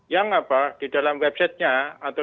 yang apa di dalam websitenya atau